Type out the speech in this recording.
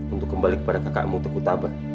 untuk kembali kepada kakakmu teguh tabe